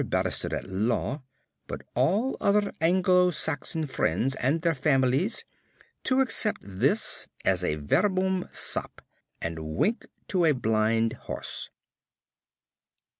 Barrister at law, but all other Anglo Saxon friends and their families, to accept this as a verbum sap. and wink to a blind horse.